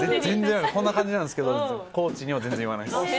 こんな感じなんですけれども、コーチには全然言わないです。